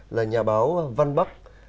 là nhà báo văn bắc